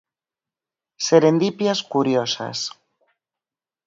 Serendipias curiosas.